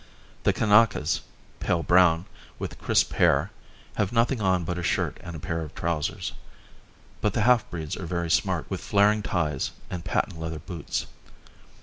The Kanakas, pale brown, with crisp hair, have nothing on but a shirt and a pair of trousers; but the half breeds are very smart with flaring ties and patent leather boots.